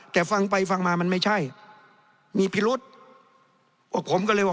แต่ฟังไปฟังมามันไม่ใช่มีพิรุษพวกผมก็เลยว่า